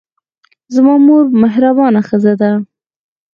زما مور مهربانه ښځه ده.